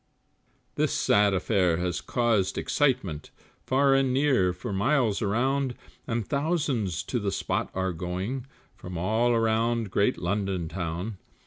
This sad affair has caused excitement, Far and near, for miles around, And thousands to the spot are going From all around great London town.